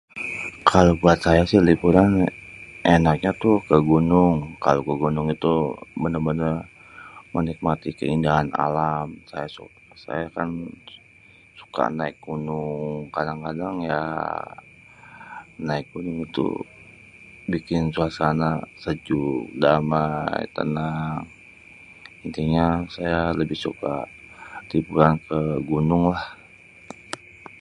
kalo buat ayé si liburan enaknya tuh kegunung, kalo ke gunung itu bener-bener menikmati keindahan alam, [sayasuk] saya kan suka naik gunung kadang-kadang [ya], naek gunung itu, bikin suasana sejuk, damai tenang intinya, saya lebih suka liburan ke gunung lah.